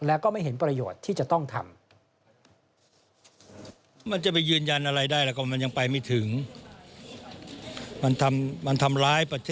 และก็ไม่เห็นประโยชน์ที่จะต้องทำ